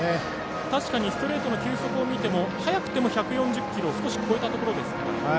確かにストレートの球速を見ても、速くても１４０キロを少し超えたところ。